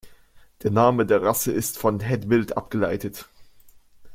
Der Name der Rasse ist von Het Bildt abgeleitet.